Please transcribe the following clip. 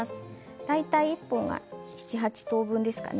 大体１本が７、８等分でしょうかね。